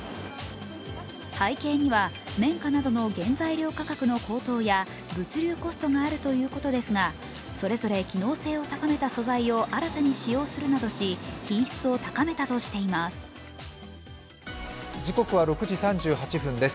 背景には綿花などの原材料価格の高騰や物流コストがあるということですが、それぞれ機能性を高めた素材を新たに使用するなどし品質を高めたとしています。